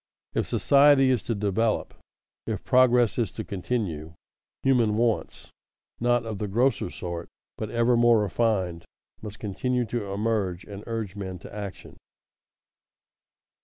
If society is to develop, if progress is to continue, human wants not of the grosser sort, but ever more refined must continue to emerge and urge men to action.